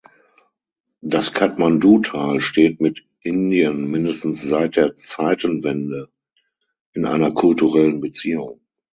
Das Kathmandutal steht mit Indien mindestens seit der Zeitenwende in einer kulturellen Beziehung.